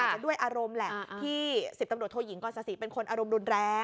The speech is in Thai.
อาจจะด้วยอารมณ์แหละอ่าอ่าที่สิบตำรวจโทยิงก่อนศาสิเป็นคนอารมณ์รุนแรง